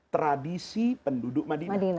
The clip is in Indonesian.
tradisi penduduk madinah